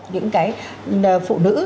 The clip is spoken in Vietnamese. những cái phụ nữ